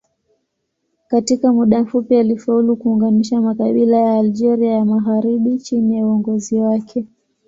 Katika muda mfupi alifaulu kuunganisha makabila ya Algeria ya magharibi chini ya uongozi wake.